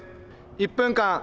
「１分間！